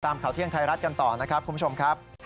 ข่าวเที่ยงไทยรัฐกันต่อนะครับคุณผู้ชมครับ